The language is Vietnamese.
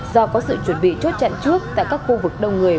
do có sự chuẩn bị chốt chặn trước tại các khu vực đông người